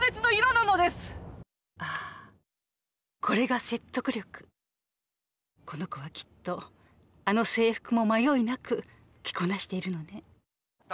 これがこの子はきっとあの制服も迷いなく着こなしているのね。